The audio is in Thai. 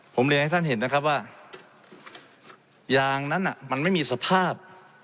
ผมเรียนให้ท่านเห็นนะครับว่ายางนั้นมันไม่มีสภาพ